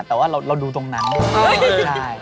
แต่เรารู้ตรงนั้น